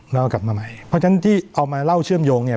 เรากลับมาใหม่เพราะฉะนั้นที่เอามาเล่าเชื่อมโยงเนี่ย